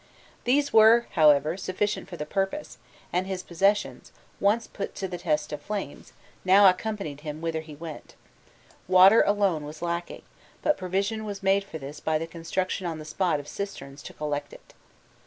These were, however, sufficient for the purpose, and his possessions, once put to the test of the flames, now accompanied him whither he went: water alone was lacking, but provision was made for this by the construction on the spot of cisterns to collect it.